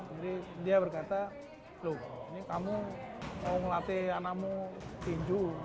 jadi dia berkata loh ini kamu mau ngelatih anakmu tinju